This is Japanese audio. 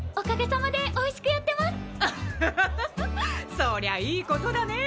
そりゃいいことだね。